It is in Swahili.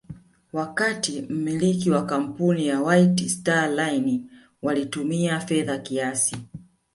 wakati mmiliki wa kampuni ya White Star Line walitumia fedha kiasi